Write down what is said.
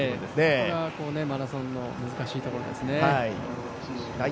それがマラソンの難しいところですね。